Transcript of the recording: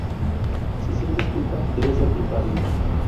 Si sientes culpa, ¡debes ser culpable!